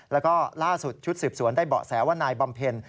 แล้วก็ล่าสุดชุดสืบสวนได้เบาะแสว่านายบำเพ็ญ